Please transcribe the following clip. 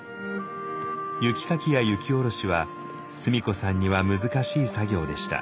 雪かきや雪下ろしは須美子さんには難しい作業でした。